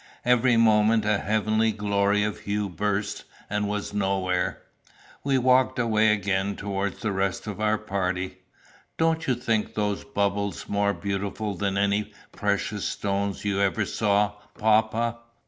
Every moment a heavenly glory of hue burst, and was nowhere. We walked away again towards the rest of our party. "Don't you think those bubbles more beautiful than any precious stones you ever saw, papa?"